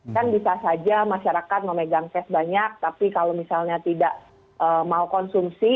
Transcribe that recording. kan bisa saja masyarakat memegang cash banyak tapi kalau misalnya tidak mau konsumsi